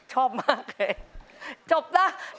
หัวใจมัดมวล